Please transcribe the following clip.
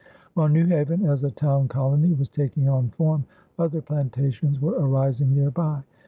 While New Haven as a town colony was taking on form, other plantations were arising near by.